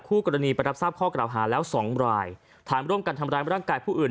คู่กรณีประทับทราบข้อกระหว่างแล้ว๒รายถามร่วมการทำร้ายบริกายผู้อื่น